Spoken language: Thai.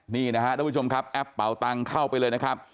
นี่นะครับทุกผู้ชมครับแอปเป่าตังเข้าไปเลยนะครับ